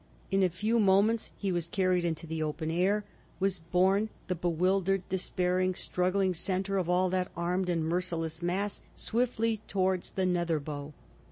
In a few moments he was carried into the open air, was borne, the bewildered, despairing, struggling centre of all that armed and merciless mass, swiftly towards the Netherbow.